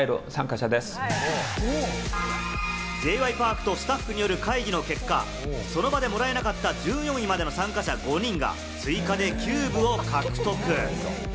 Ｊ．Ｙ．Ｐａｒｋとスタッフによる会議の結果、その場でもらえなかった１４位までの参加者５人が追加でキューブを獲得。